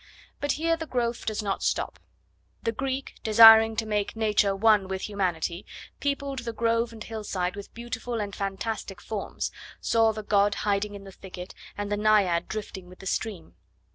But here the growth does not stop. The Greek, desiring to make Nature one with humanity, peopled the grove and hillside with beautiful and fantastic forms, saw the god hiding in the thicket, and the naiad drifting with the stream.